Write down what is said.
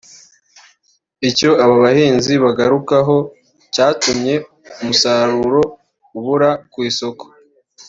Icyo aba bahinzi bagarukagaho cyatumye umusaruro ubura ku isoko